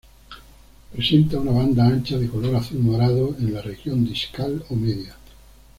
Presenta una banda ancha de color azul-morado en la región discal o media.